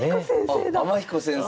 あっ天彦先生。